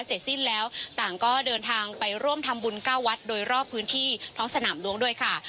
เสร็จสิ้นแล้วต่างก็เดินทางไปร่วมทำบุญเก้าวัดโดยรอบพื้นที่ท้องสนามหลวงด้วยค่ะ